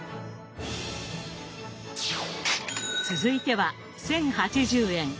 続いては１，０８０円。